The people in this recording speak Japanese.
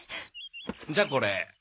じゃあこれ。